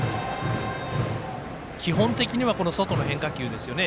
基本的には外の変化球ですよね。